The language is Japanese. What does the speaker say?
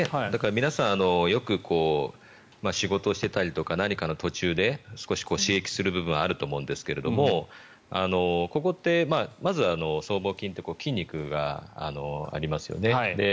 皆さん、よく仕事してたりとか何かの途中で少し刺激する部分があると思うんですけどここってまずは僧帽筋って筋肉がありますよね。